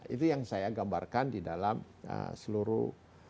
itu yang saya gambarkan di dalam seluruh